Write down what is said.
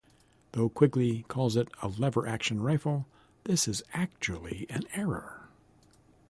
Though Quigley calls it a lever-action rifle, this is actually an error.